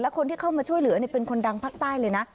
คนที่เข้ามาช่วยเหลือเป็นคนดังภาคใต้เลยนะ